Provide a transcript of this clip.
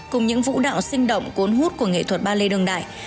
cùng những vũ đạo sinh động cuốn hút của nghệ thuật ba lê đường đại